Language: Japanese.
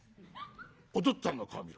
お父っつぁんの顔見ろ。